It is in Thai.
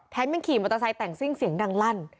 ยังขี่มอเตอร์ไซค์แต่งซิ่งเสียงดังลั่น